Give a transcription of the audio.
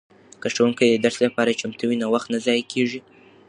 که ښوونکی د درس لپاره چمتو وي وخت نه ضایع کیږي.